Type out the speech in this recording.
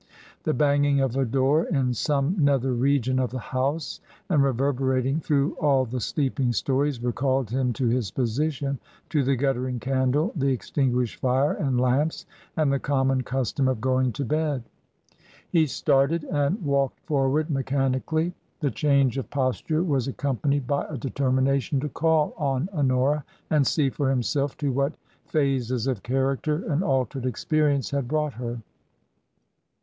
The banging of a door in some nether region of the house and reverberating through all the sleeping stories recalled him to his position — to the guttering candle, the extinguished fire and lamps, and the common custom of going to bed. He started and walked forward mechani cally. The change of posture was accompanied by a determination to call on Honora and see for himself to what phases of character an altered experience had brought her.